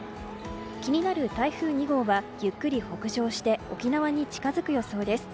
気になる台風２号はゆっくり北上して沖縄に近づく予想です。